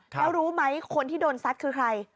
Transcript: แล้วรู้ไหมคนที่โดนซัดคือใคร